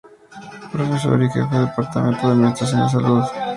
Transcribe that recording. Profesor y Jefe del Departamento de Administración de Salud, en Cuba.